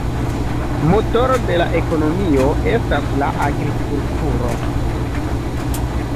Motoro de la ekonomio estas la agrikulturo.